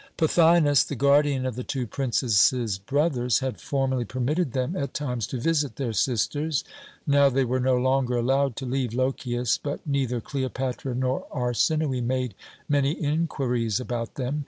"Pothinus, the guardian of the two princesses' brothers, had formerly permitted them at times to visit their sisters. Now they were no longer allowed to leave Lochias, but neither Cleopatra nor Arsinoë made many inquiries about them.